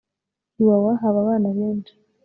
iwawa haba abana benshi